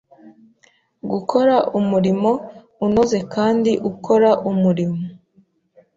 Gukora umurimo unoze kandi u ukora umurimo